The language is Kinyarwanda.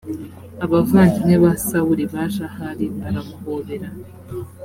abavandimwe ba sawuli baje aho ari baramuhobera